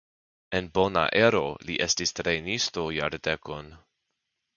En Bonaero li estis trejnisto jardekon.